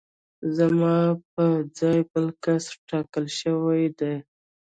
زما په ځای بل کس ټاکل شوی دی